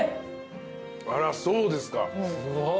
あらそうですか。